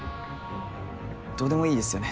どうでもいいですよね。